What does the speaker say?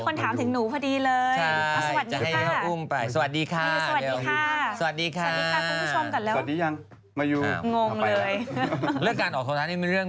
เมื่อกี้มีคนถามถึงหนูพอดีเลย